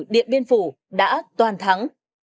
điện biên phủ đã toàn thắng